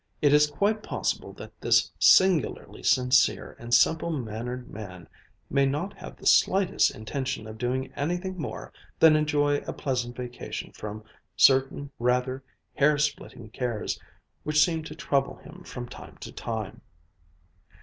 It is quite possible that this singularly sincere and simple mannered man may not have the slightest intention of doing anything more than enjoy a pleasant vacation from certain rather hair splitting cares which seem to trouble him from time to time."